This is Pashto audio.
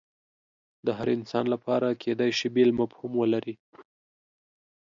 د هر انسان لپاره کیدای شي بیل مفهوم ولري